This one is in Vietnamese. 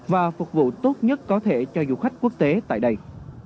và phục vụ tốt nhất có thể cho du khách quốc tế tại đây